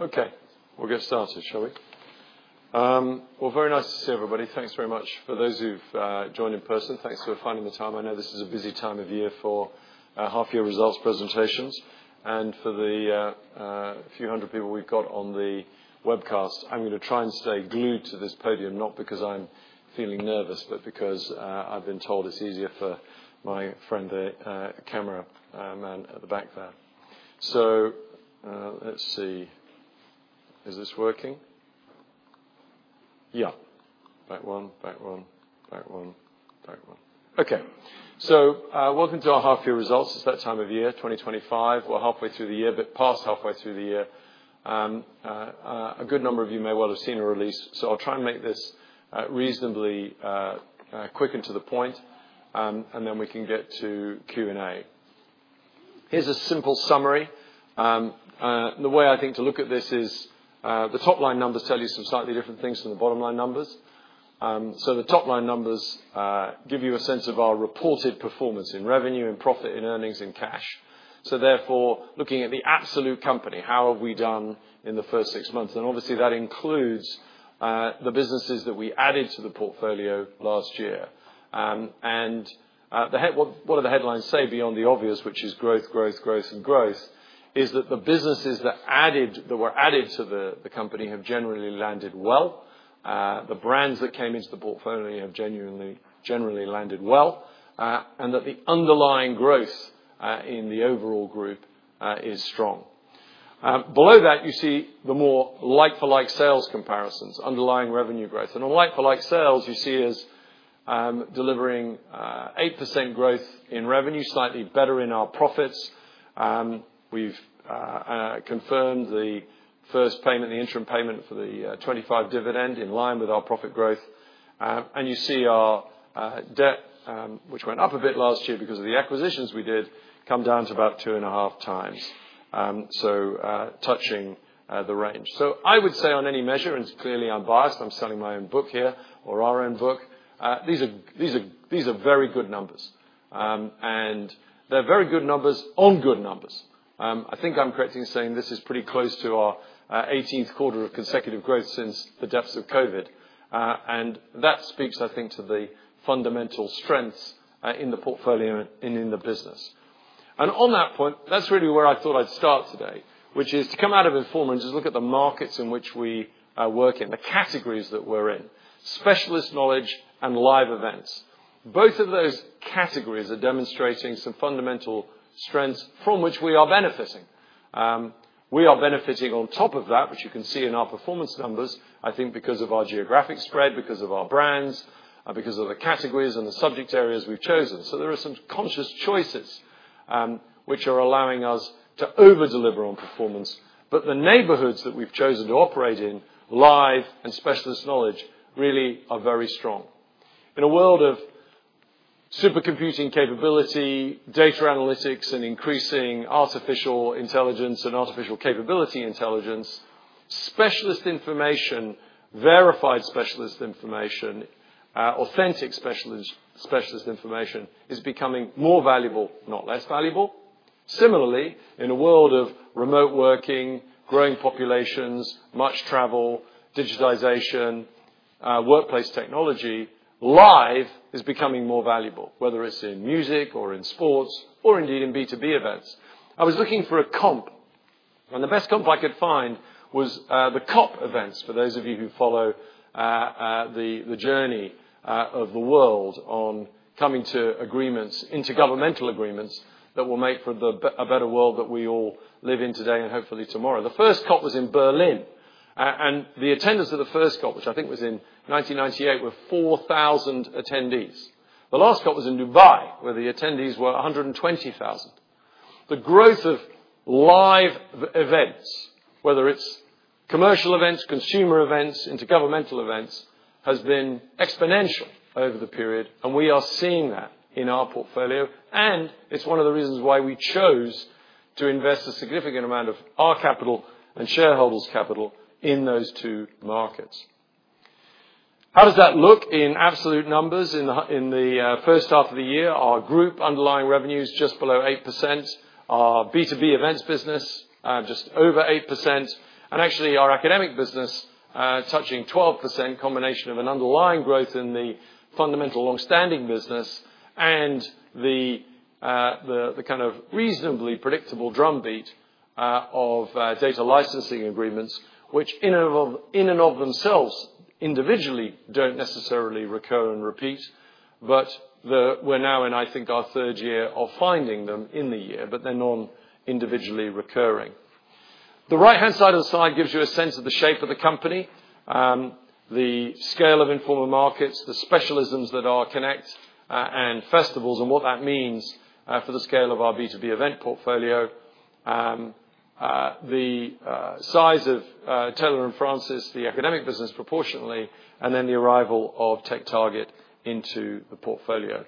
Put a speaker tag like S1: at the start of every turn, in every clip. S1: Okay. We'll get started, shall we? Very nice to see everybody. Thanks very much. For those who've joined in person, thanks for finding the time. I know this is a busy time of year for half-year results presentations. For the few hundred people we've got on the webcast, I'm going to try and stay glued to this podium, not because I'm feeling nervous, but because I've been told it's easier for my friend, the cameraman at the back there. Let's see. Is this working? Yeah. Back one, back one, back one, back one. Okay. Welcome to our half-year results. It's that time of year, 2025. We're halfway through the year, a bit past halfway through the year. A good number of you may well have seen a release. I'll try and make this reasonably quick and to the point, and then we can get to Q&A.
S2: Here's a simple summary. The way I think to look at this is the top-line numbers tell you some slightly different things than the bottom-line numbers. The top-line numbers give you a sense of our reported performance in revenue, in profit, in earnings, in cash. Therefore, looking at the absolute company, how have we done in the first six months? Obviously, that includes the businesses that we added to the portfolio last year. What do the headlines say beyond the obvious, which is growth, growth, growth, and growth, is that the businesses that were added to the company have generally landed well. The brands that came into the portfolio have generally landed well. The underlying growth in the overall group is strong. Below that, you see the more like-for-like sales comparisons, underlying revenue growth. On like-for-like sales, you see us delivering 8% growth in revenue, slightly better in our profits. We've confirmed the first payment, the interim payment for the 2025 dividend in line with our profit growth. You see our debt, which went up a bit last year because of the acquisitions we did, come down to about two and a half times, so touching the range. I would say on any measure, and it's clearly unbiased, I'm selling my own book here or our own book, these are very good numbers. They're very good numbers on good numbers. I think I'm correct in saying this is pretty close to our 18th quarter of consecutive growth since the depths of COVID. That speaks, I think, to the fundamental strengths in the portfolio and in the business. On that point, that's really where I thought I'd start today, which is to come out of informal and just look at the markets in which we work in, the categories that we're in, specialist knowledge and live events. Both of those categories are demonstrating some fundamental strengths from which we are benefiting. We are benefiting on top of that, which you can see in our performance numbers, I think because of our geographic spread, because of our brands, because of the categories and the subject areas we've chosen. There are some conscious choices which are allowing us to over-deliver on performance. The neighborhoods that we've chosen to operate in, live and specialist knowledge, really are very strong. In a world of supercomputing capability, data analytics, and increasing artificial intelligence and artificial capability intelligence, specialist information, verified specialist information, authentic specialist information, is becoming more valuable, not less valuable. Similarly, in a world of remote working, growing populations, much travel, digitization, workplace technology, live is becoming more valuable, whether it's in music or in sports or indeed in B2B events. I was looking for a comp, and the best comp I could find was the COP events, for those of you who follow the journey of the world on coming to agreements, intergovernmental agreements that will make for a better world that we all live in today and hopefully tomorrow. The first COP was in Berlin, and the attendance of the first COP, which I think was in 1998, was 4,000 attendees. The last COP was in Dubai, where the attendees were 120,000. The growth of live events, whether it's commercial events, consumer events, intergovernmental events, has been exponential over the period. We are seeing that in our portfolio. It is one of the reasons why we chose to invest a significant amount of our capital and shareholders' capital in those two markets. How does that look in absolute numbers in the first half of the year? Our group underlying revenue is just below 8%. Our B2B events business is just over 8%. Actually, our academic business is touching 12%, a combination of an underlying growth in the fundamental long-standing business and the kind of reasonably predictable drumbeat of data licensing agreements, which in and of themselves individually don't necessarily recur and repeat. We are now in, I think, our third year of finding them in the year, but they're non-individually recurring. The right-hand side of the slide gives you a sense of the shape of the company, the scale of informal markets, the specialisms that our connect and festivals, and what that means for the scale of our B2B event portfolio, the size of Taylor & Francis, the academic business proportionately, and then the arrival of TechTarget into the portfolio.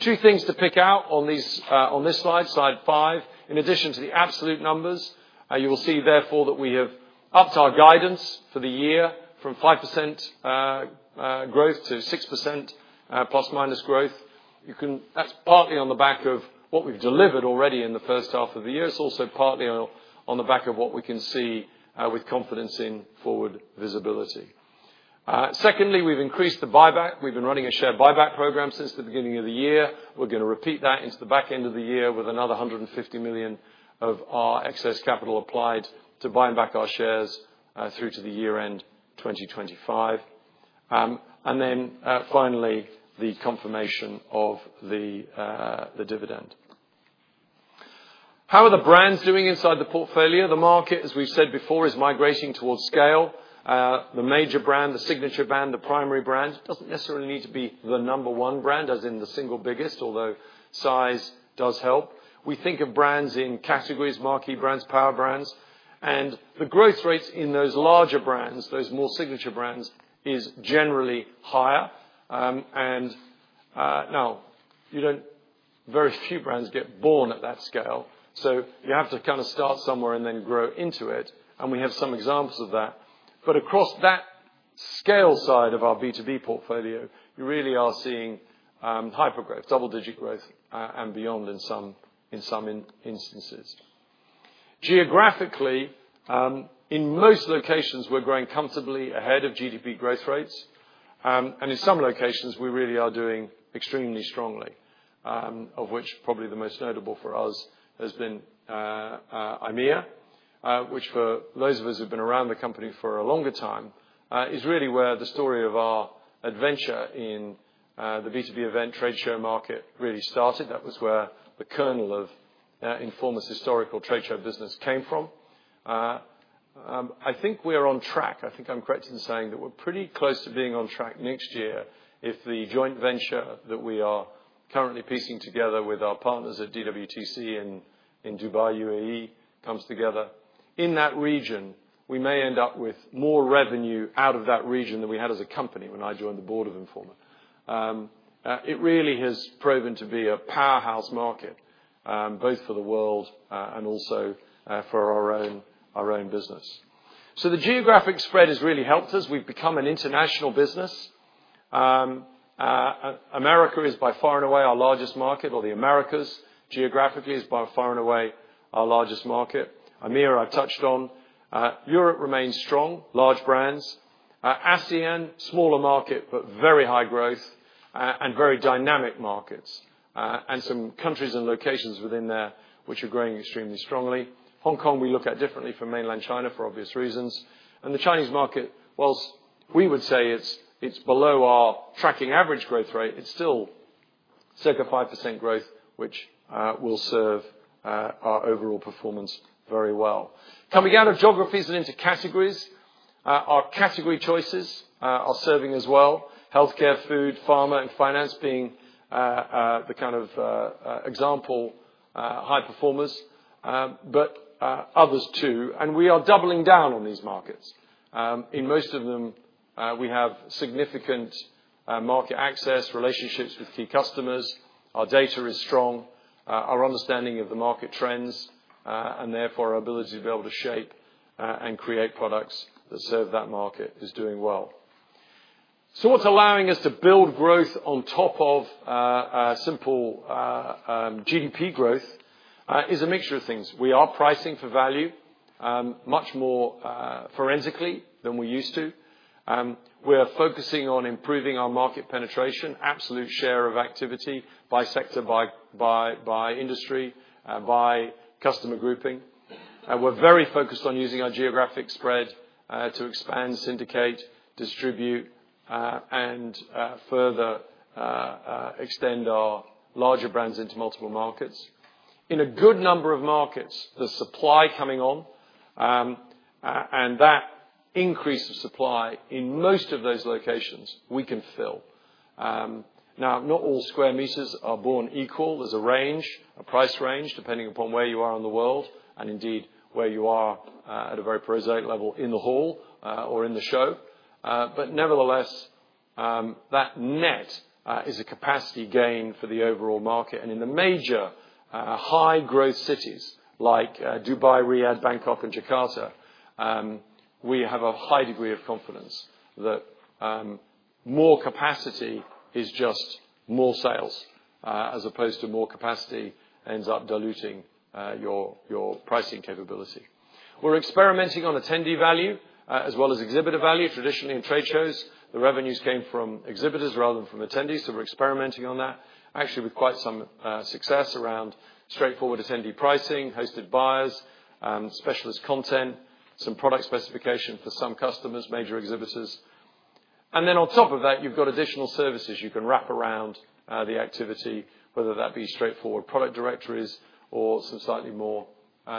S2: Two things to pick out on this slide, slide five, in addition to the absolute numbers. You will see, therefore, that we have upped our guidance for the year from 5% growth to ±6% growth. That's partly on the back of what we've delivered already in the first half of the year. It's also partly on the back of what we can see with confidence in forward visibility. Secondly, we've increased the buyback. We've been running a share buyback program since the beginning of the year. We're going to repeat that into the back end of the year with another 150 million of our excess capital applied to buying back our shares through to the year-end 2025. Finally, the confirmation of the dividend. How are the brands doing inside the portfolio? The market, as we've said before, is migrating towards scale. The major brand, the signature brand, the primary brand doesn't necessarily need to be the number one brand as in the single biggest, although size does help. We think of brands in categories: marquee brands, power brands. The growth rates in those larger brands, those more signature brands, are generally higher. Now, very few brands get born at that scale. You have to kind of start somewhere and then grow into it. We have some examples of that. Across that scale side of our B2B portfolio, you really are seeing hyper-growth, double-digit growth, and beyond in some instances. Geographically, in most locations, we're growing comfortably ahead of GDP growth rates. In some locations, we really are doing extremely strongly. Of which probably the most notable for us has been EMEA, which for those of us who've been around the company for a longer time is really where the story of our adventure in the B2B event trade show market really started. That was where the kernel of Informa historical trade show business came from. I think we are on track. I think I'm correct in saying that we're pretty close to being on track next year if the joint venture that we are currently piecing together with our partners at Dubai World Trade Centre in Dubai, United Arab Emirates, comes together. In that region, we may end up with more revenue out of that region than we had as a company when I joined the board of Informa. It really has proven to be a powerhouse market, both for the world and also for our own business. The geographic spread has really helped us. We've become an international business. Americas is by far and away our largest market, or the Americas geographically is by far and away our largest market. EMEA, I've touched on. Europe remains strong, large brands. ASEAN, smaller market but very high growth and very dynamic markets, and some countries and locations within there which are growing extremely strongly. Hong Kong, we look at differently from mainland China for obvious reasons. The Chinese market, whilst we would say it's below our tracking average growth rate, it's still circa 5% growth, which will serve our overall performance very well. Coming out of geographies and into categories. Our category choices are serving us well. Healthcare, food, pharma, and finance being the kind of example high performers, but others too. We are doubling down on these markets. In most of them, we have significant market access, relationships with key customers. Our data is strong. Our understanding of the market trends, and therefore our ability to be able to shape and create products that serve that market, is doing well. What is allowing us to build growth on top of simple GDP growth is a mixture of things. We are pricing for value much more forensically than we used to. We are focusing on improving our market penetration, absolute share of activity by sector, by industry, by customer grouping. We are very focused on using our geographic spread to expand, syndicate, distribute, and further extend our larger brands into multiple markets. In a good number of markets, the supply coming on and that increase of supply in most of those locations, we can fill. Not all square meters are born equal. There is a range, a price range, depending upon where you are in the world, and indeed where you are at a very prosaic level in the hall or in the show. Nevertheless, that net is a capacity gain for the overall market. In the major high-growth cities like Dubai, Riyadh, Bangkok, and Jakarta, we have a high degree of confidence that more capacity is just more sales, as opposed to more capacity ending up diluting your pricing capability. We are experimenting on attendee value as well as exhibitor value. Traditionally, in trade shows, the revenues came from exhibitors rather than from attendees. We are experimenting on that, actually, with quite some success around straightforward attendee pricing, hosted buyers, specialist content, some product specification for some customers, major exhibitors. On top of that, you have additional services you can wrap around the activity, whether that be straightforward product directories or some slightly more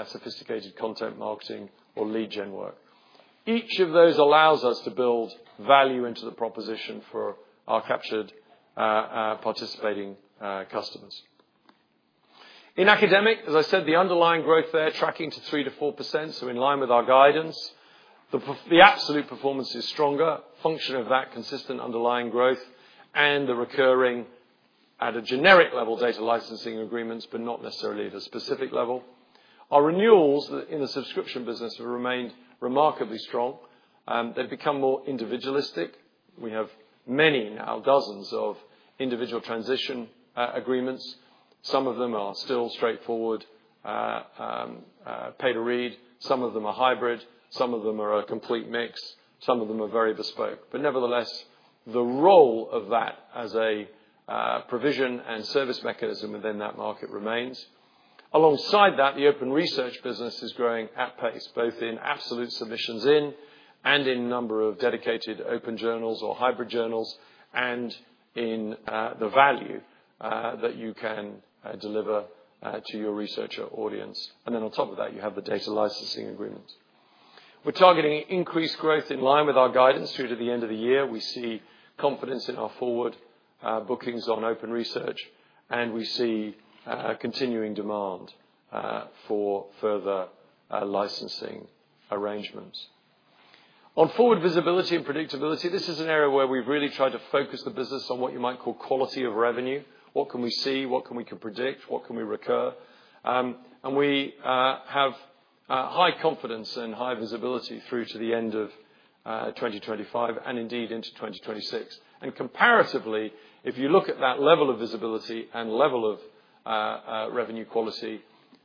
S2: sophisticated content marketing or lead gen work. Each of those allows us to build value into the proposition for our captured participating customers. In academic, as I said, the underlying growth there tracking to 3%-4%, so in line with our guidance. The absolute performance is stronger, a function of that consistent underlying growth, and the recurring. At a generic level, data licensing agreements, but not necessarily at a specific level. Our renewals in the subscription business have remained remarkably strong. They have become more individualistic. We have many now, dozens of individual transition agreements. Some of them are still straightforward pay-to-read. Some of them are hybrid. Some of them are a complete mix. Some of them are very bespoke. Nevertheless, the role of that as a provision and service mechanism within that market remains. Alongside that, the open research business is growing at pace, both in absolute submissions in and in number of dedicated open journals or hybrid journals and in the value that you can deliver to your researcher audience. On top of that, you have the data licensing agreements. We are targeting increased growth in line with our guidance through to the end of the year. We see confidence in our forward bookings on open research, and we see. Continuing demand for further licensing arrangements. On forward visibility and predictability, this is an area where we've really tried to focus the business on what you might call quality of revenue. What can we see? What can we predict? What can we recur? And we have high confidence and high visibility through to the end of 2025 and indeed into 2026. Comparatively, if you look at that level of visibility and level of revenue quality,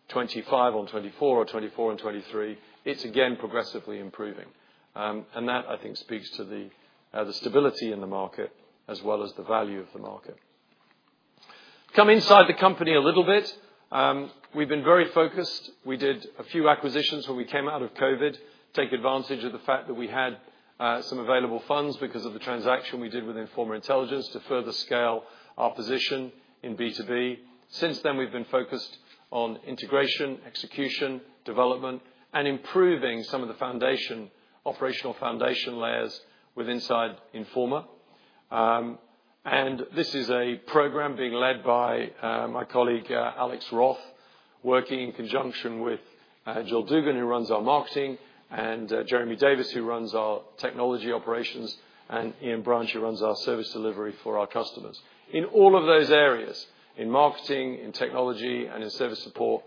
S2: 25 on 24 or 24 on 23, it's again progressively improving. That, I think, speaks to the stability in the market as well as the value of the market. Come inside the company a little bit. We've been very focused. We did a few acquisitions when we came out of COVID, take advantage of the fact that we had some available funds because of the transaction we did with Informa Intelligence to further scale our position in B2B. Since then, we've been focused on integration, execution, development, and improving some of the operational foundation layers within Informa. This is a program being led by my colleague, Alex Roth, working in conjunction with Jill Dugan, who runs our marketing, and Jeremy Davis, who runs our technology operations, and Ian Branch, who runs our service delivery for our customers. In all of those areas, in marketing, in technology, and in service support,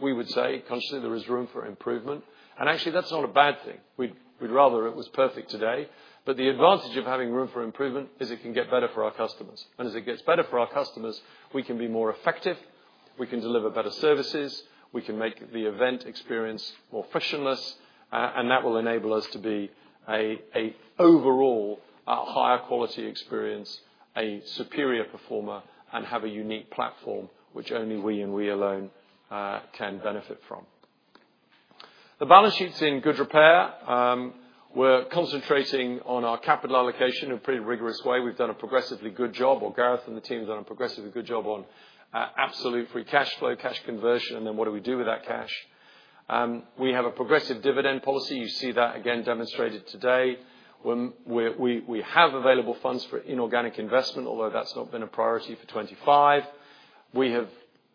S2: we would say, consciously, there is room for improvement. Actually, that's not a bad thing. We'd rather it was perfect today. The advantage of having room for improvement is it can get better for our customers. As it gets better for our customers, we can be more effective. We can deliver better services. We can make the event experience more frictionless. That will enable us to be an overall higher-quality experience, a superior performer, and have a unique platform which only we and we alone can benefit from. The balance sheet's in good repair. We're concentrating on our capital allocation in a pretty rigorous way. We've done a progressively good job, or Gareth and the team have done a progressively good job on absolute free cash flow, cash conversion, and then what do we do with that cash? We have a progressive dividend policy. You see that again demonstrated today. We have available funds for inorganic investment, although that's not been a priority for 2025. We have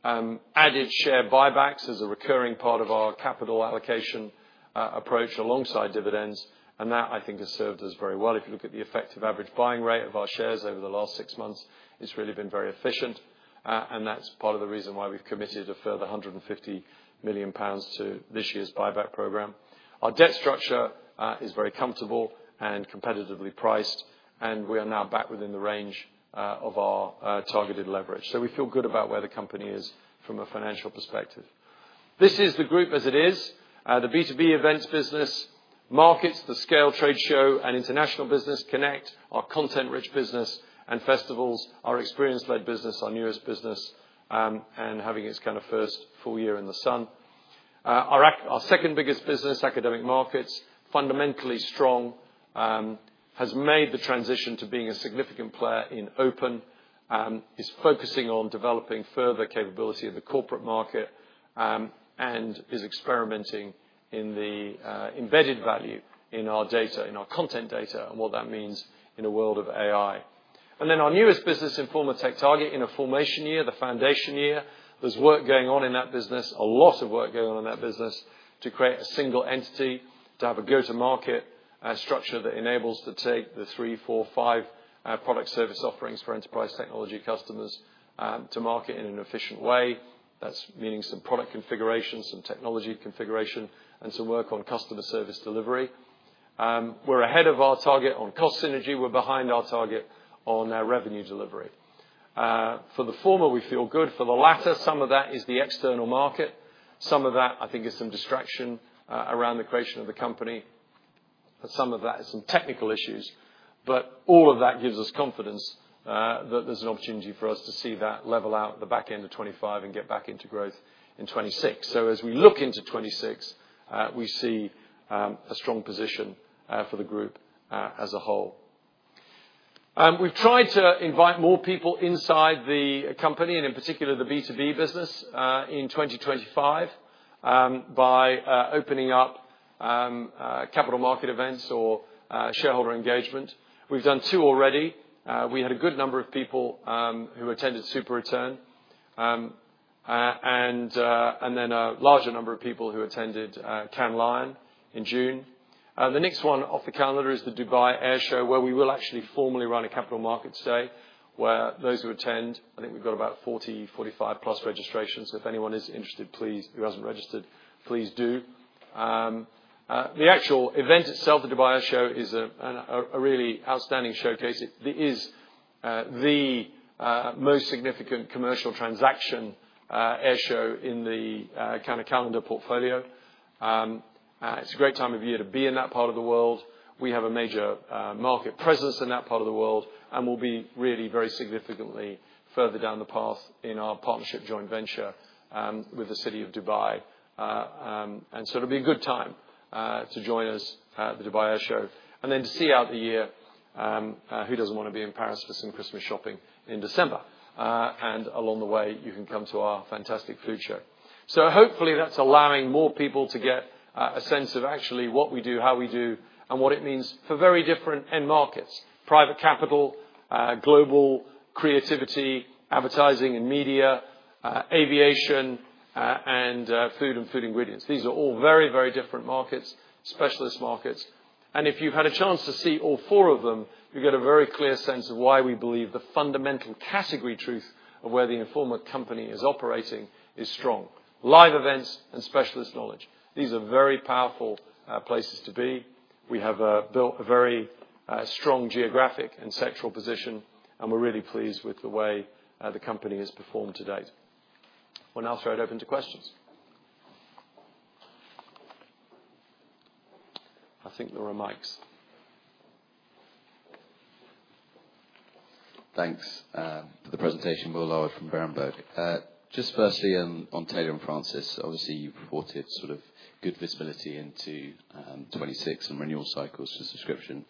S2: added share buybacks as a recurring part of our capital allocation approach alongside dividends. That, I think, has served us very well. If you look at the effective average buying rate of our shares over the last six months, it's really been very efficient. That's part of the reason why we've committed a further 150 million pounds to this year's buyback program. Our debt structure is very comfortable and competitively priced. We are now back within the range of our targeted leverage. We feel good about where the company is from a financial perspective. This is the group as it is. The B2B events business. Markets, the scale trade show and international business connect, our content-rich business and festivals, our experience-led business, our newest business. Having its kind of first full year in the sun. Our second biggest business, academic markets, fundamentally strong. Has made the transition to being a significant player in open, is focusing on developing further capability of the corporate market. Is experimenting in the embedded value in our data, in our content data, and what that means in a world of AI. Our newest business, Informa TechTarget, in a formation year, the foundation year. There's work going on in that business, a lot of work going on in that business to create a single entity, to have a go-to-market structure that enables to take the three, four, five product service offerings for enterprise technology customers to market in an efficient way. That's meaning some product configuration, some technology configuration, and some work on customer service delivery. We're ahead of our target on cost synergy. We're behind our target on revenue delivery. For the former, we feel good. For the latter, some of that is the external market. Some of that, I think, is some distraction around the creation of the company. Some of that is some technical issues. All of that gives us confidence that there's an opportunity for us to see that level out at the back end of 2025 and get back into growth in 2026. As we look into 2026, we see a strong position for the group as a whole. We've tried to invite more people inside the company, and in particular, the B2B business, in 2025. By opening up capital market events or shareholder engagement. We've done two already. We had a good number of people who attended SuperReturn. A larger number of people attended CanLion in June. The next one off the calendar is the Dubai Air Show, where we will actually formally run a capital market today, where those who attend, I think we've got about 40-45-plus registrations. If anyone is interested, please, who hasn't registered, please do. The actual event itself, the Dubai Air Show, is a really outstanding showcase. It is the most significant commercial transaction air show in the kind of calendar portfolio. It's a great time of year to be in that part of the world. We have a major market presence in that part of the world and will be really very significantly further down the path in our partnership joint venture with the city of Dubai. It'll be a good time to join us at the Dubai Air Show. To see out the year, who doesn't want to be in Paris for some Christmas shopping in December? Along the way, you can come to our fantastic food show. Hopefully, that's allowing more people to get a sense of actually what we do, how we do, and what it means for very different end markets: private capital, global creativity, advertising and media, aviation, and food and food ingredients. These are all very, very different markets, specialist markets. If you've had a chance to see all four of them, you get a very clear sense of why we believe the fundamental category truth of where the Informa company is operating is strong: live events and specialist knowledge. These are very powerful places to be. We have built a very strong geographic and sectoral position, and we're really pleased with the way the company has performed to date. We'll now throw it open to questions.
S1: I think there are mics.
S3: Thanks for the presentation. Will Lowth from Berenberg. Firstly, on Taylor & Francis, obviously, you reported sort of good visibility into 2026 and renewal cycles for subscription.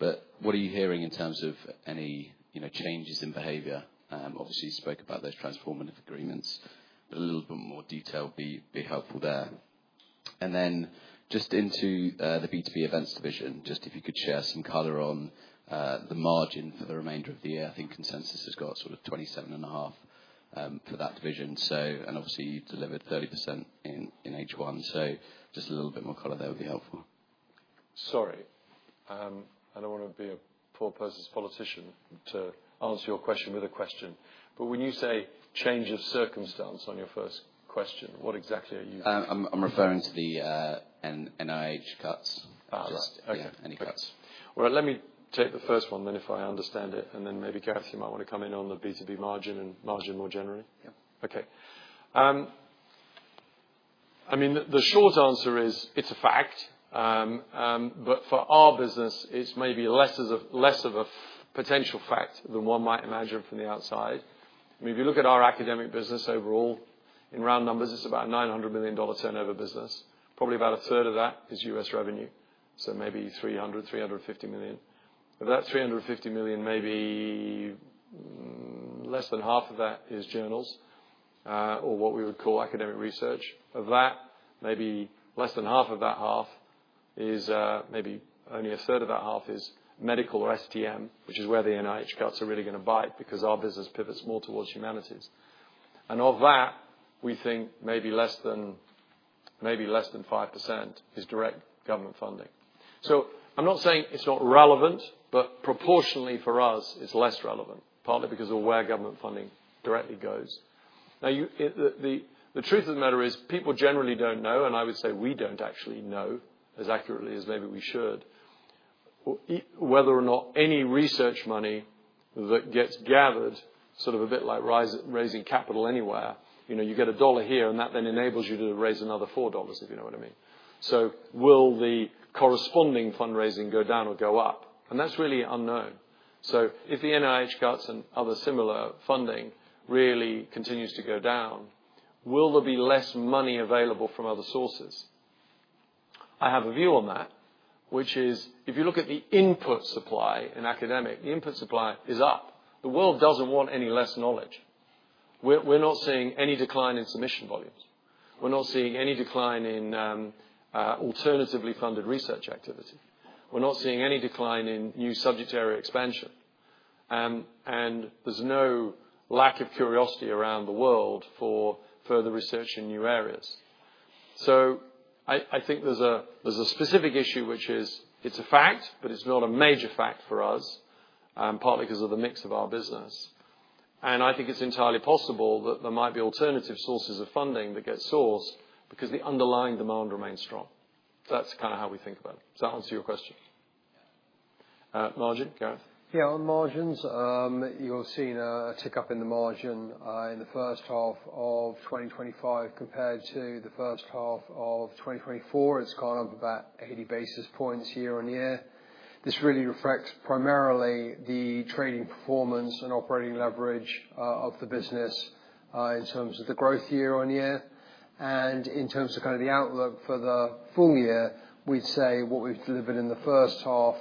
S3: What are you hearing in terms of any changes in behavior? Obviously, you spoke about those transformative agreements. A little bit more detail would be helpful there. Then just into the B2B Events division, if you could share some color on the margin for the remainder of the year. I think consensus has got sort of 27.5% for that division, and obviously, you delivered 30% in H1. Just a little bit more color there would be helpful.
S1: Sorry. I don't want to be a poor person's politician to answer your question with a question. When you say change of circumstance on your first question, what exactly are you—
S3: I'm referring to the NIH cuts. Just any cuts.
S1: Okay. All right. Let me take the first one then, if I understand it. Maybe Gareth, you might want to come in on the B2B margin and margin more generally.
S3: Yeah.
S1: Okay. I mean, the short answer is it's a fact. For our business, it's maybe less of a potential fact than one might imagine from the outside. If you look at our academic business overall, in round numbers, it's about a $900 million turnover business. Probably about a third of that is US revenue, so maybe $300 million-$350 million. Of that $350 million, maybe less than half of that is journals, or what we would call academic research. Of that, maybe less than half of that half is—maybe only a third of that half is medical or STM, which is where the NIH cuts are really going to bite because our business pivots more towards humanities. Of that, we think maybe less than 5% is direct government funding. I'm not saying it's not relevant, but proportionally for us, it's less relevant, partly because of where government funding directly goes. Now, the truth of the matter is people generally don't know, and I would say we don't actually know as accurately as maybe we should. Whether or not any research money that gets gathered, sort of a bit like raising capital anywhere, you get a dollar here, and that then enables you to raise another $4, if you know what I mean. Will the corresponding fundraising go down or go up? That is really unknown. If the NIH cuts and other similar funding really continues to go down, will there be less money available from other sources? I have a view on that, which is if you look at the input supply in academic, the input supply is up. The world does not want any less knowledge. We are not seeing any decline in submission volumes. We are not seeing any decline in, alternatively funded research activity. We are not seeing any decline in new subject area expansion. There is no lack of curiosity around the world for further research in new areas. I think there is a specific issue, which is it is a fact, but it is not a major fact for us. Partly because of the mix of our business. I think it is entirely possible that there might be alternative sources of funding that get sourced because the underlying demand remains strong. That is kind of how we think about it. Does that answer your question? Margin, Gareth?
S2: Yeah. On margins, you are seeing a tick up in the margin in the first half of 2025 compared to the first half of 2024. It has gone up about 80 basis points year on year. This really reflects primarily the trading performance and operating leverage of the business in terms of the growth year on year. In terms of kind of the outlook for the full year, we would say what we have delivered in the first half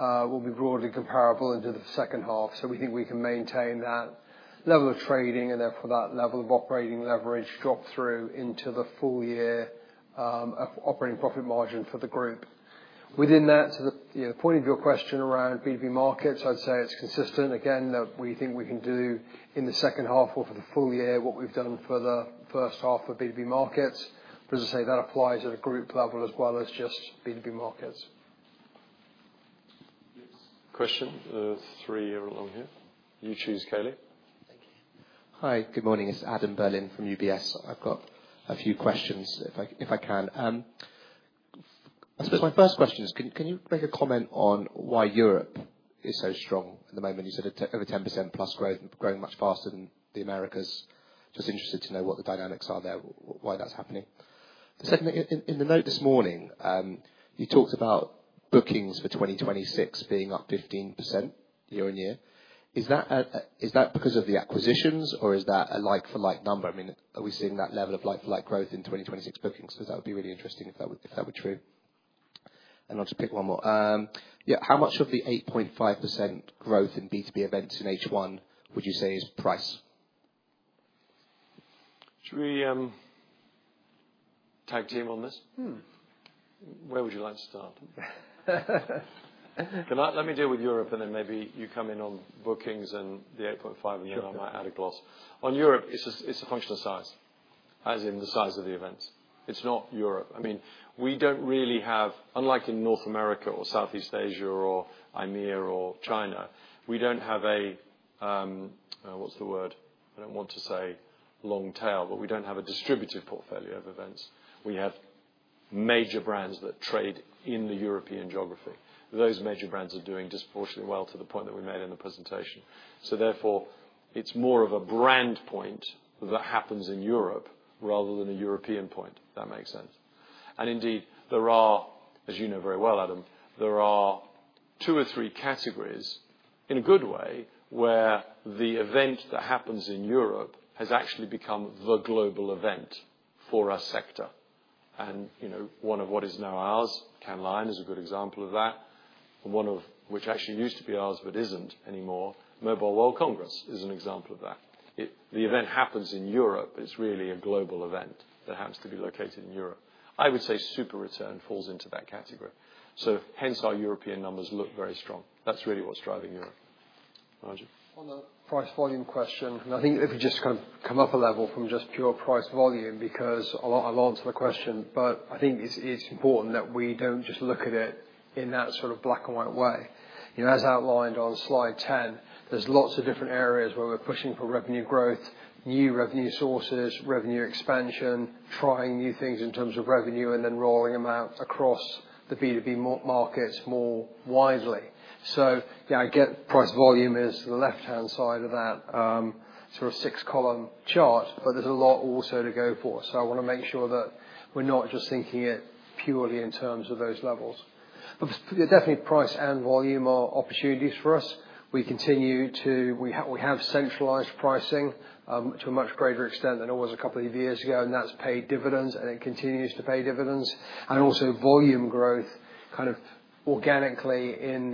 S2: will be broadly comparable into the second half. We think we can maintain that level of trading and therefore that level of operating leverage drop through into the full year operating profit margin for the group. Within that, to the point of your question around B2B markets, I would say it is consistent. Again, we think we can do in the second half or for the full year what we have done for the first half of B2B markets. As I say, that applies at a group level as well as just B2B markets.
S1: Yes. Question? There are three here along here. You choose, Kaylee. Thank you.
S4: Hi. Good morning. It is Adam Berlin from UBS. I have got a few questions, if I can. I suppose my first question is, can you make a comment on why Europe is so strong at the moment? You said over 10% plus growth, growing much faster than the Americas. Just interested to know what the dynamics are there, why that is happening. In the note this morning, you talked about bookings for 2026 being up 15% year on year. Is that because of the acquisitions, or is that a like-for-like number? I mean, are we seeing that level of like-for-like growth in 2026 bookings? Because that would be really interesting if that were true. I'll just pick one more. Yeah. How much of the 8.5% growth in B2B events in H1 would you say is price? Should we tag team on this? Where would you like to start?
S1: Let me deal with Europe, and then maybe you come in on bookings and the 8.5, and then I might add a gloss. On Europe, it's a function of size, as in the size of the events. It's not Europe. I mean, we don't really have, unlike in North America or Southeast Asia or EMEA or China, we don't have a— What's the word? I don't want to say long tail, but we don't have a distributive portfolio of events. We have major brands that trade in the European geography. Those major brands are doing disproportionately well to the point that we made in the presentation. Therefore, it's more of a brand point that happens in Europe rather than a European point, if that makes sense. Indeed, there are, as you know very well, Adam, there are two or three categories in a good way where the event that happens in Europe has actually become the global event for a sector. One of what is now ours, CanLion, is a good example of that. One of which actually used to be ours but isn't anymore, Mobile World Congress, is an example of that. The event happens in Europe, but it's really a global event that happens to be located in Europe. I would say SuperReturn falls into that category. Hence, our European numbers look very strong. That's really what's driving Europe. Margin.
S2: On the price volume question, I think that we just kind of come up a level from just pure price volume because I'll answer the question. I think it's important that we don't just look at it in that sort of black-and-white way. As outlined on slide 10, there's lots of different areas where we're pushing for revenue growth, new revenue sources, revenue expansion, trying new things in terms of revenue, and then rolling them out across the B2B markets more widely. Yeah, I get price volume is the left-hand side of that sort of six-column chart, but there's a lot also to go for. I want to make sure that we're not just thinking it purely in terms of those levels. Definitely, price and volume are opportunities for us. We continue to—we have centralized pricing to a much greater extent than it was a couple of years ago, and that's paid dividends, and it continues to pay dividends. Also, volume growth kind of organically in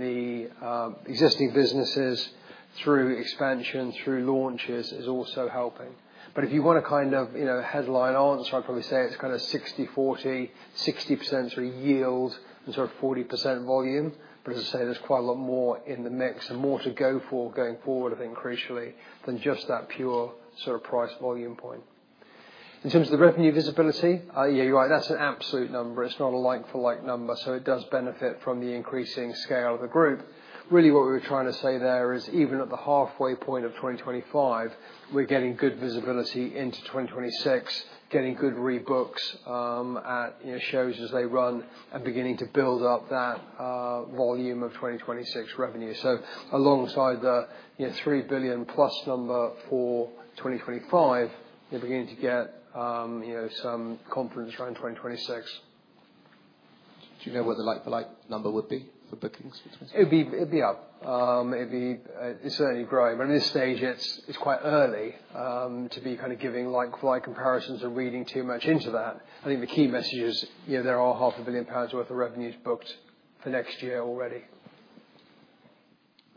S2: the existing businesses through expansion, through launches, is also helping. If you want to kind of headline answer, I'd probably say it's kind of 60/40, 60% sort of yield and sort of 40% volume. But as I say, there is quite a lot more in the mix and more to go for going forward, I think, crucially, than just that pure sort of price volume point. In terms of the revenue visibility, yeah, you are right. That is an absolute number. It is not a like-for-like number. So it does benefit from the increasing scale of the group. Really, what we were trying to say there is even at the halfway point of 2025, we are getting good visibility into 2026, getting good rebooks at shows as they run and beginning to build up that volume of 2026 revenue. So alongside the 3 billion-plus number for 2025, we are beginning to get some confidence around 2026.
S4: Do you know what the like-for-like number would be for bookings for 2026?
S2: It would be up. It is certainly growing. At this stage, it is quite early to be kind of giving like-for-like comparisons or reading too much into that. I think the key message is there are 500 million pounds worth of revenues booked for next year already.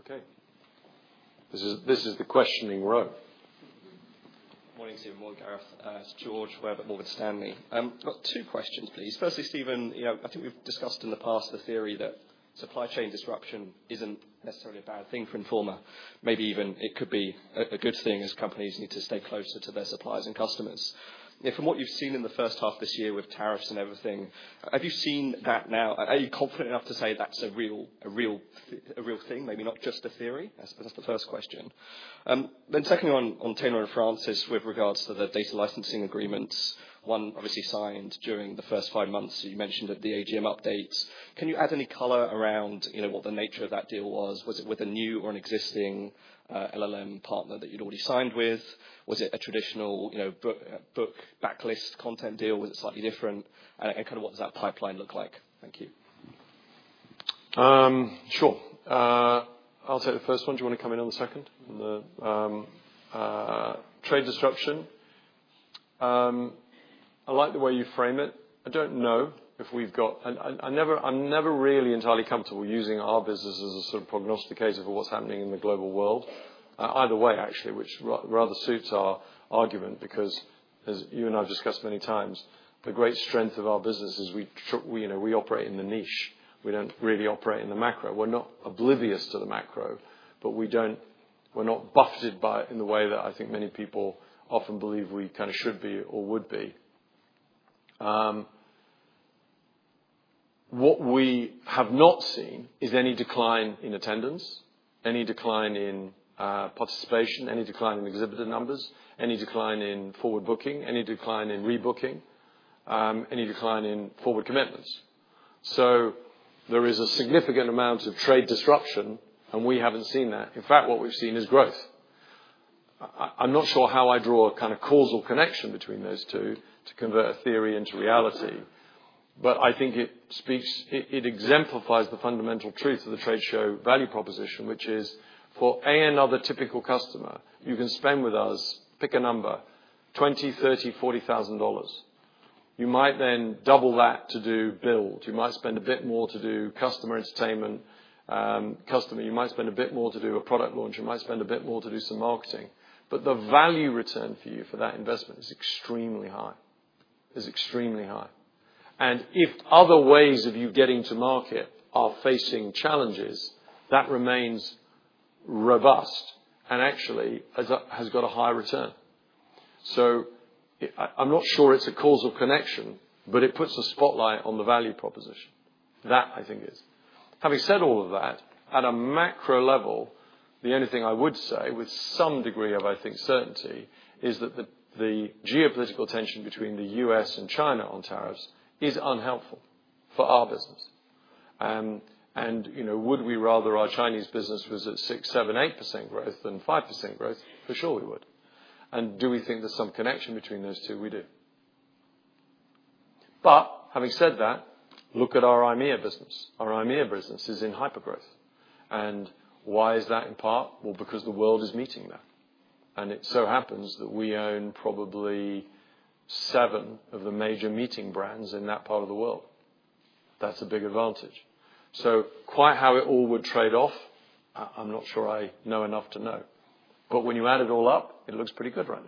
S4: Okay.
S1: This is the questioning row.
S5: Morning, Stephen Moore, Gareth, George Weirbutt, Morgan Stanley. Got two questions, please. Firstly, Stephen, I think we have discussed in the past the theory that supply chain disruption is not necessarily a bad thing for Informa. Maybe even it could be a good thing as companies need to stay closer to their suppliers and customers. From what you have seen in the first half of this year with tariffs and everything, have you seen that now? Are you confident enough to say that is a real thing, maybe not just a theory? That is the first question. Then secondly, on Taylor & Francis with regards to the data licensing agreements, one obviously signed during the first five months. You mentioned that at the AGM updates. Can you add any color around what the nature of that deal was? Was it with a new or an existing LLM partner that you had already signed with? Was it a traditional book backlist content deal? Was it slightly different? And kind of what does that pipeline look like? Thank you.
S1: Sure. I will take the first one. Do you want to come in on the second?
S2: Trade disruption. I like the way you frame it. I do not know if we have got—I am never really entirely comfortable using our business as a sort of prognosticator for what is happening in the global world. Either way, actually, which rather suits our argument because, as you and I have discussed many times, the great strength of our business is we operate in the niche. We do not really operate in the macro. We are not oblivious to the macro, but we are not buffeted by it in the way that I think many people often believe we kind of should be or would be. What we have not seen is any decline in attendance, any decline in participation, any decline in exhibitor numbers, any decline in forward booking, any decline in rebooking, any decline in forward commitments. There is a significant amount of trade disruption, and we have not seen that. In fact, what we have seen is growth. I am not sure how I draw a kind of causal connection between those two to convert a theory into reality, but I think it exemplifies the fundamental truth of the trade show value proposition, which is for another typical customer, you can spend with us, pick a number, 20, 30, 40 thousand dollars. You might then double that to do build. You might spend a bit more to do customer entertainment. You might spend a bit more to do a product launch. You might spend a bit more to do some marketing. The value return for you for that investment is extremely high. It is extremely high. If other ways of you getting to market are facing challenges, that remains robust and actually has got a high return. I am not sure it is a causal connection, but it puts a spotlight on the value proposition. That, I think, is. Having said all of that, at a macro level, the only thing I would say with some degree of, I think, certainty is that the geopolitical tension between the U.S. and China on tariffs is unhelpful for our business. Would we rather our Chinese business was at 6-8% growth than 5% growth? For sure, we would. Do we think there is some connection between those two? We do. Having said that, look at our IMEA business. Our IMEA business is in hypergrowth. Why is that in part? Because the world is meeting there. It so happens that we own probably seven of the major meeting brands in that part of the world. That is a big advantage. Quite how it all would trade off, I am not sure I know enough to know. When you add it all up, it looks pretty good right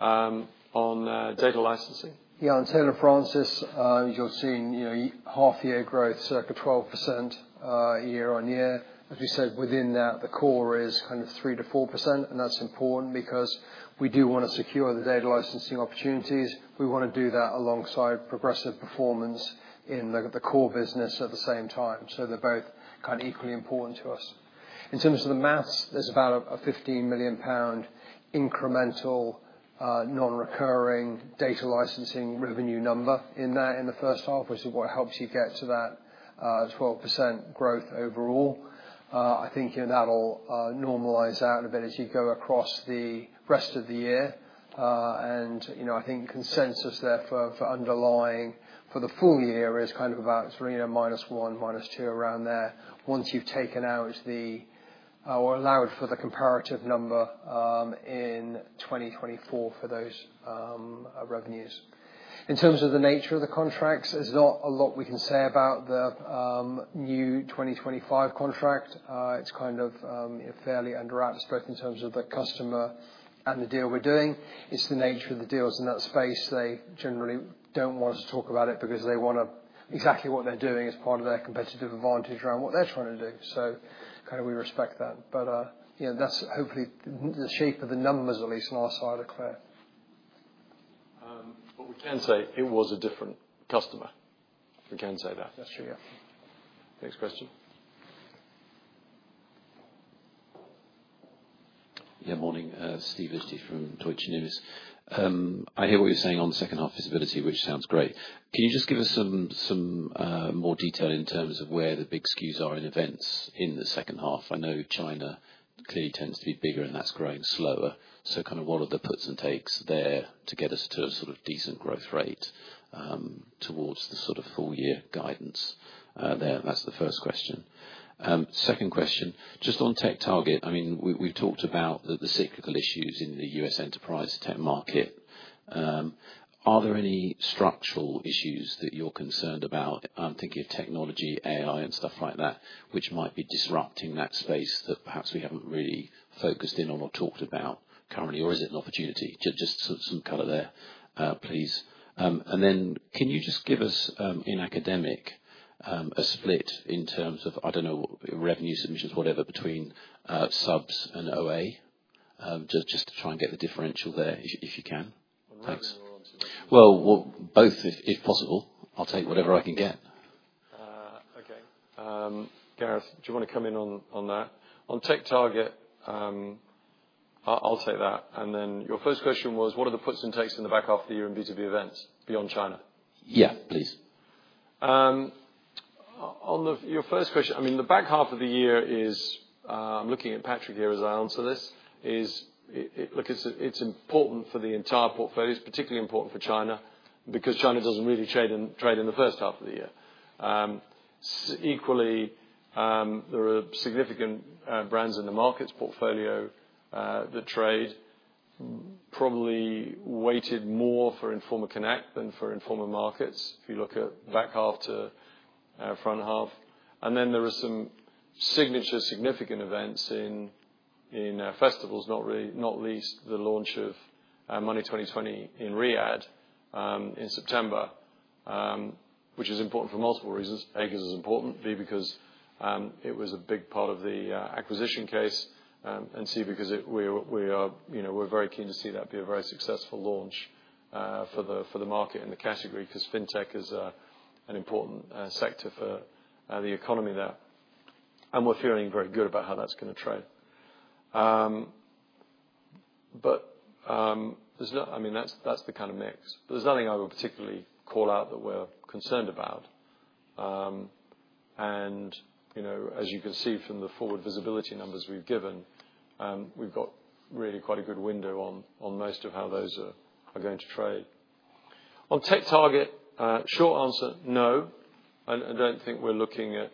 S2: now.
S5: On data licensing?
S1: Yeah. On Taylor & Francis, you are seeing half-year growth, circa 12% year on year. As we said, within that, the core is kind of 3-4%. That is important because we do want to secure the data licensing opportunities. We want to do that alongside progressive performance in the core business at the same time. They are both kind of equally important to us. In terms of the maths, there is about a 15 million pound incremental non-recurring data licensing revenue number in that in the first half, which is what helps you get to that 12% growth overall. I think that will normalize out a bit as you go across the rest of the year. I think consensus there for underlying for the full year is kind of about, it is really a -1, -2 around there once you have taken out the, or allowed for the comparative number in 2024 for those revenues. In terms of the nature of the contracts, there is not a lot we can say about the. New 2025 contract. It's kind of fairly underrated, both in terms of the customer and the deal we're doing. It's the nature of the deals in that space. They generally don't want us to talk about it because they want exactly what they're doing as part of their competitive advantage around what they're trying to do. So kind of we respect that. But that's hopefully the shape of the numbers, at least on our side, are clear.
S5: But we can say it was a different customer?
S1: We can say that.
S2: That's true, yeah.
S1: Next question.
S6: Yeah. Morning. Steve Osty from Deutsche Numis. I hear what you're saying on second-half visibility, which sounds great. Can you just give us some more detail in terms of where the big skews are in events in the second half? I know China clearly tends to be bigger, and that's growing slower. So kind of what are the puts and takes there to get us to a sort of decent growth rate towards the sort of full-year guidance? That's the first question. Second question, just on TechTarget. I mean, we've talked about the cyclical issues in the U.S. enterprise tech market. Are there any structural issues that you're concerned about? I'm thinking of technology, AI, and stuff like that, which might be disrupting that space that perhaps we haven't really focused in on or talked about currently. Or is it an opportunity? Just some color there, please. And then can you just give us, in academic, a split in terms of, I don't know, revenue submissions, whatever, between subs and OA? Just to try and get the differential there if you can. Thanks. Both, if possible. I'll take whatever I can get.
S1: Okay. Gareth, do you want to come in on that? On TechTarget. I'll take that. And then your first question was, what are the puts and takes in the back half of the year in B2B events beyond China?
S6: Yeah, please.
S2: On your first question, I mean, the back half of the year is, I'm looking at Patrick here as I answer this, it's important for the entire portfolio. It's particularly important for China because China doesn't really trade in the first half of the year. Equally, there are significant brands in the markets portfolio that trade, probably weighted more for Informa Connect than for Informa Markets if you look at back half to front half. And then there are some signature significant events in festivals, not least the launch of Money20/20 in Riyadh in September, which is important for multiple reasons. A, because it was a big part of the acquisition case, and C, because we're very keen to see that be a very successful launch for the market in the category because fintech is an important sector for the economy there. And we're feeling very good about how that's going to trade. I mean, that's the kind of mix. There is nothing I would particularly call out that we are concerned about. As you can see from the forward visibility numbers we have given, we have really quite a good window on most of how those are going to trade. On TechTarget, short answer, no. I do not think we are looking at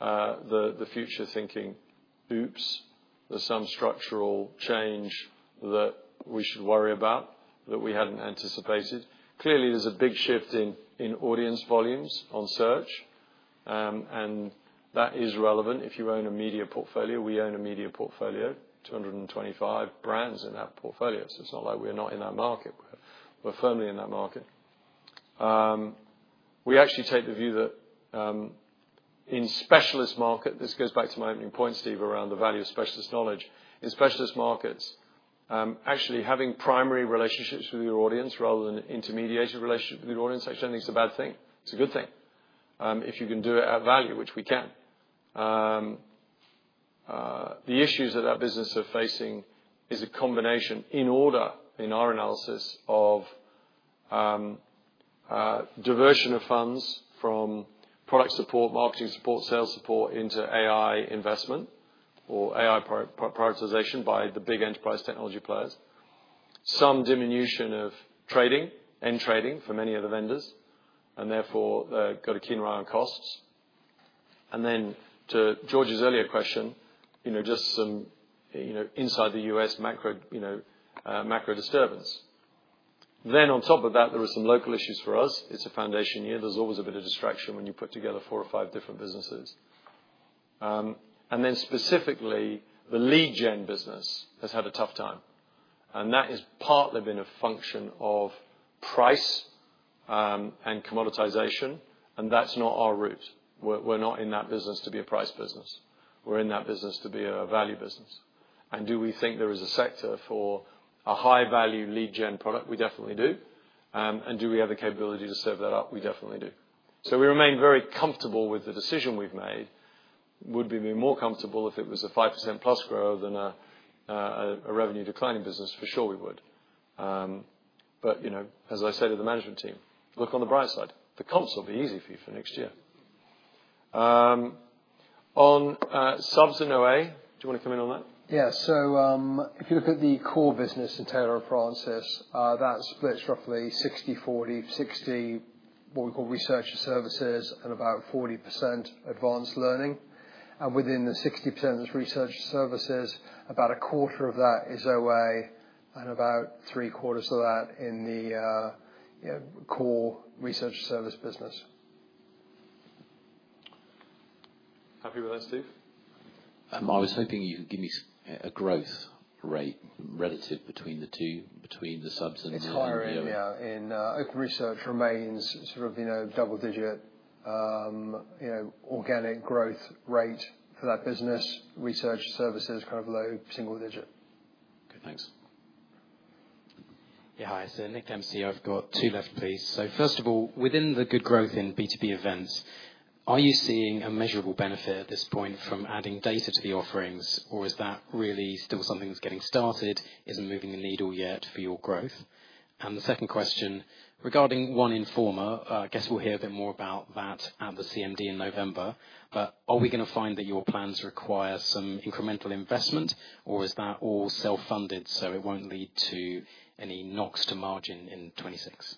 S2: the future thinking—oops—there is some structural change that we should worry about that we had not anticipated. Clearly, there is a big shift in audience volumes on search, and that is relevant. If you own a media portfolio, we own a media portfolio, 225 brands in that portfolio. It is not like we are not in that market. We are firmly in that market. We actually take the view that in specialist markets—this goes back to my opening point, Steve, around the value of specialist knowledge—in specialist markets, actually having primary relationships with your audience rather than intermediated relationships with your audience, actually, I think, is a bad thing. It is a good thing if you can do it at value, which we can. The issues that our business is facing is a combination, in order, in our analysis, of diversion of funds from product support, marketing support, sales support into AI investment or AI prioritization by the big enterprise technology players, some diminution of trading, end trading for many of the vendors, and therefore they have got a keen eye on costs. To George's earlier question, just some inside the U.S. macro disturbance. On top of that, there were some local issues for us. It is a foundation year. There is always a bit of distraction when you put together four or five different businesses. Specifically, the lead gen business has had a tough time, and that has partly been a function of price and commoditization. That is not our route. We are not in that business to be a price business. We are in that business to be a value business. Do we think there is a sector for a high-value lead gen product? We definitely do. Do we have the capability to serve that up? We definitely do. We remain very comfortable with the decision we have made. Would be more comfortable if it was a 5% plus growth and a revenue declining business, for sure we would. As I say to the management team, look on the bright side.
S1: The comps will be easy for you for next year.
S6: On subs and OA, do you want to come in on that?
S2: Yeah. If you look at the core business in Taylor & Francis, that splits roughly 60/40, 60 what we call research and services and about 40% advanced learning. Within the 60% that is research and services, about a quarter of that is OA and about three-quarters of that in the core research and service business. Happy with that, Steve?
S6: I was hoping you could give me a growth rate relative between the two, between the subs and the OA.
S2: It's higher in open research, remains sort of double-digit. Organic growth rate for that business. Research and services kind of low single digit.
S6: Okay. Thanks.
S7: Yeah. Hi. So Nick Dempsey. I've got two left, please. First of all, within the good growth in B2B events, are you seeing a measurable benefit at this point from adding data to the offerings, or is that really still something that's getting started? Isn't moving the needle yet for your growth? The second question, regarding OneInformer, I guess we'll hear a bit more about that at the CMD in November. Are we going to find that your plans require some incremental investment, or is that all self-funded so it won't lead to any knocks to margin in 2026?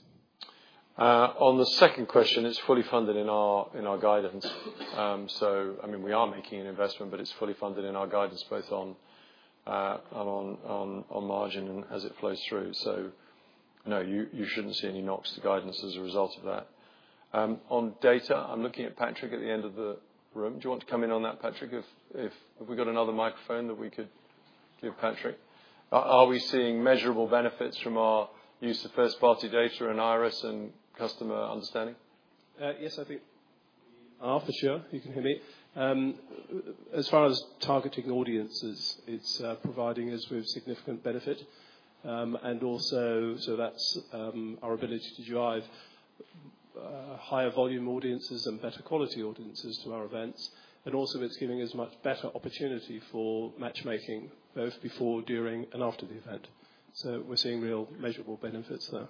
S1: On the second question, it's fully funded in our guidance. I mean, we are making an investment, but it's fully funded in our guidance both on margin and as it flows through. No, you shouldn't see any knocks to guidance as a result of that. On data, I'm looking at Patrick at the end of the room. Do you want to come in on that, Patrick, if we've got another microphone that we could give Patrick? Are we seeing measurable benefits from our use of first-party data and IRIS and customer understanding?
S8: Yes, I think. I'm off the show. You can hear me. As far as targeting audiences, it's providing us with significant benefit. Also, that's our ability to drive higher volume audiences and better quality audiences to our events. Also, it's giving us much better opportunity for matchmaking, both before, during, and after the event. We're seeing real measurable benefits there.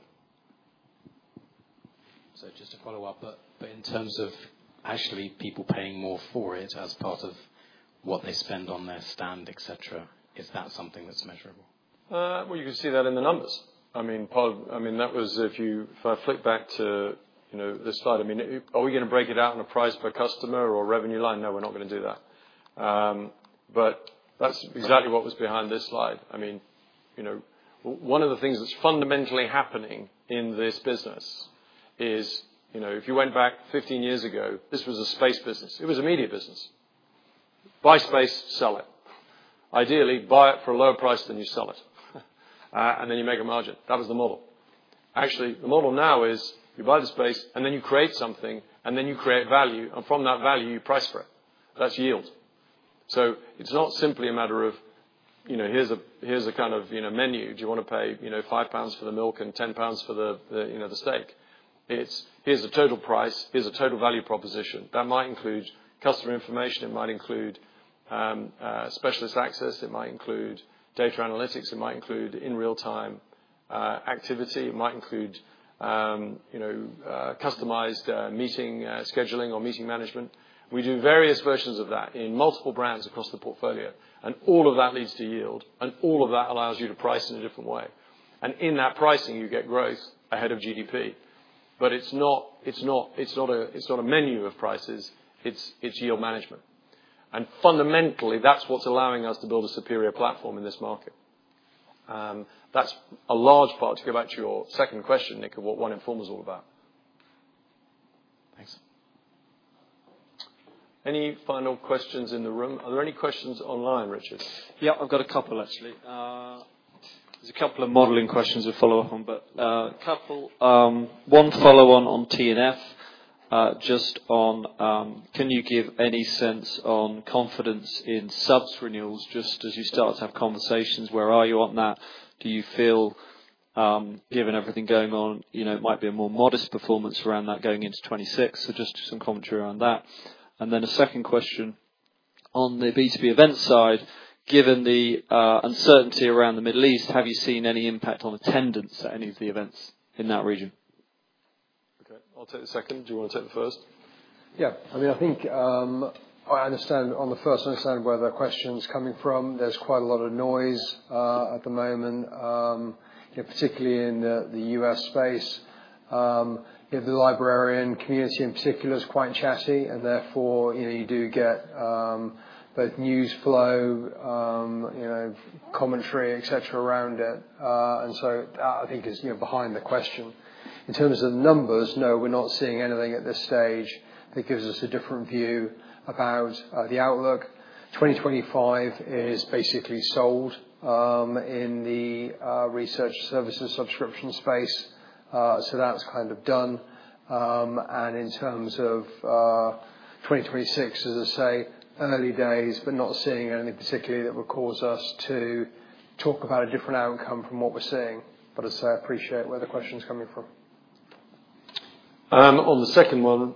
S7: Just to follow up, but in terms of actually people paying more for it as part of what they spend on their stand, etc., is that something that's measurable?
S2: You can see that in the numbers. I mean, that was if I flip back to this slide, I mean, are we going to break it out on a price per customer or revenue line? No, we're not going to do that. That's exactly what was behind this slide. I mean, one of the things that's fundamentally happening in this business is if you went back 15 years ago, this was a space business. It was a media business. Buy space, sell it. Ideally, buy it for a lower price than you sell it. Then you make a margin. That was the model. Actually, the model now is you buy the space, and then you create something, and then you create value. From that value, you price for it. That's yield. It's not simply a matter of here's a kind of menu. Do you want to pay 5 pounds for the milk and 10 pounds for the steak? It's, here's a total price. Here's a total value proposition. That might include customer information. It might include specialist access. It might include data analytics. It might include in real-time activity. It might include customized meeting scheduling or meeting management. We do various versions of that in multiple brands across the portfolio. All of that leads to yield. All of that allows you to price in a different way. In that pricing, you get growth ahead of GDP. It's not a menu of prices. It's yield management. Fundamentally, that's what's allowing us to build a superior platform in this market. That's a large part, to go back to your second question, Nick, of what OneInformer is all about.
S7: Thanks.
S1: Any final questions in the room? Are there any questions online, Richard?
S8: Yeah. I've got a couple, actually. There's a couple of modeling questions to follow up on, but a couple. One follow-on on TNF. Just on, can you give any sense on confidence in subs renewals just as you start to have conversations? Where are you on that? Do you feel, given everything going on, it might be a more modest performance around that going into 2026? Just some commentary around that. And then a second question. On the B2B event side, given the uncertainty around the Middle East, have you seen any impact on attendance at any of the events in that region?
S1: Okay. I'll take the second. Do you want to take the first?
S2: Yeah. I mean, I think, I understand on the first, I understand where the question's coming from. There's quite a lot of noise at the moment, particularly in the US space. The librarian community in particular is quite chatty. Therefore, you do get both news flow, commentary, etc., around it. That, I think, is behind the question. In terms of the numbers, no, we're not seeing anything at this stage that gives us a different view about the outlook. 2025 is basically sold in the research services subscription space. That's kind of done. In terms of 2026, as I say, early days, but not seeing anything particularly that would cause us to talk about a different outcome from what we're seeing. I appreciate where the question's coming from.
S1: On the second one,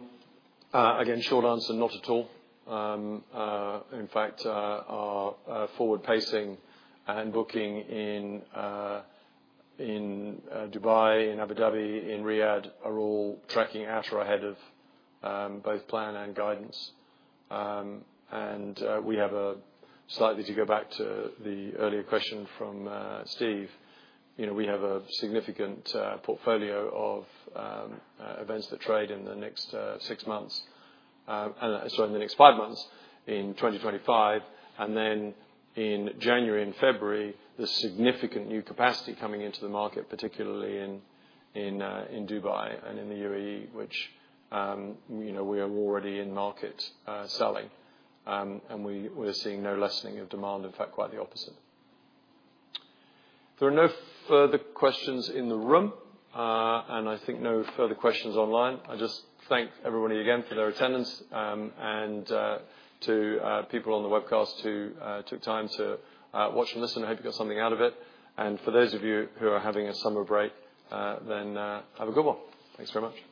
S1: again, short answer, not at all. In fact, our forward pacing and booking in Dubai, in Abu Dhabi, in Riyadh are all tracking out or ahead of both plan and guidance. We have a slightly, to go back to the earlier question from Steve, we have a significant portfolio of events that trade in the next six months. Sorry, in the next five months in 2025. Then in January and February, the significant new capacity coming into the market, particularly in Dubai and in the UAE, which we are already in market selling. We're seeing no lessening of demand. In fact, quite the opposite. There are no further questions in the room. I think no further questions online. I just thank everybody again for their attendance and to people on the webcast who took time to watch and listen. I hope you got something out of it. For those of you who are having a summer break, have a good one. Thanks very much.